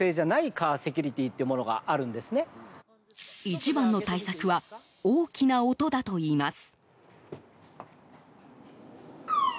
一番の対策は大きな音だといいます。